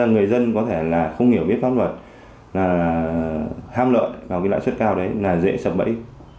người dân có thể là không hiểu biết pháp luật là ham lợi vào cái lãi suất cao đấy là dễ sập bẫy